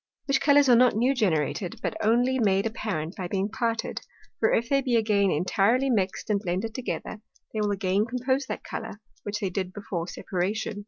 Which Colours are not new generated, but only made apparent by being parted; for if they be again intirely mix'd and blended together, they will again compose that Colour, which they did before separation.